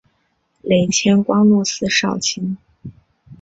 累迁光禄寺少卿。